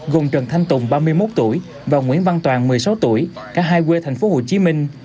gồm trần thanh tùng ba mươi một tuổi và nguyễn văn toàn một mươi sáu tuổi cả hai quê thành phố hồ chí minh